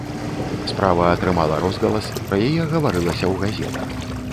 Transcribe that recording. Справа атрымала розгалас, пра яе гаварылася ў газетах.